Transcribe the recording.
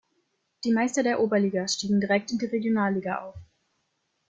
Die Meister der Oberliga stiegen direkt in die Regionalliga auf.